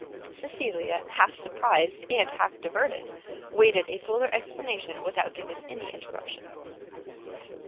Cecilia, half surprised and half diverted, waited a fuller explanation without giving any interruption.